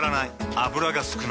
油が少ない。